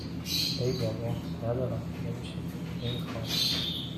ای بابا، ندارم، نمیشه، نمی خوام